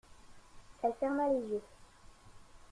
Elle ferma les yeux.